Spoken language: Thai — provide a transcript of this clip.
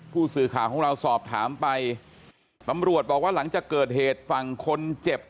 ผู้สื่อข่าวของเราสอบถามไปตำรวจบอกว่าหลังจากเกิดเหตุฝั่งคนเจ็บ